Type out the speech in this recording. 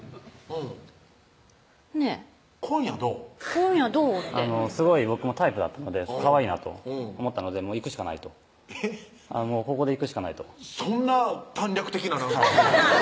「今夜どう？」ってすごい僕のタイプだったのでかわいいなと思ったのでいくしかないとここでいくしかないとそんな短絡的ななんか